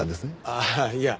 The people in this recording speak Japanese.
ああいや。